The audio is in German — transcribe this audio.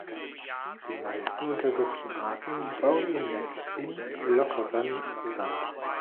Die meisten untersuchten Arten bauen ihr Nest in lockerem Sand.